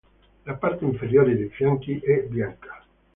La parte inferiore dei fianchi è bianca.